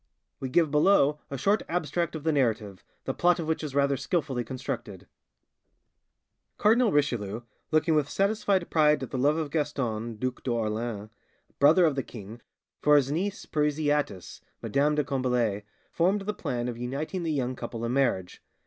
We give below a short abstract of the narrative, the plot of which is rather skilfully constructed:— "Cardinal Richelieu, looking with satisfied pride at the love of Gaston, Duc d'Orleans, brother of the king, for his niece Parisiatis (Madame de Combalet), formed the plan of uniting the young couple in marriage.